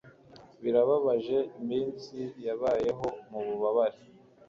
birababaje iminsi yabayeho mububabare